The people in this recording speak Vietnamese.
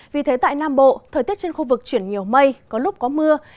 vì thế tại nam bộ thời tiết trên khu vực chuyển nhiều mây có lúc có mưa